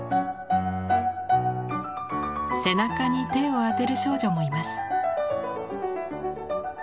背中に手を当てる少女もいます。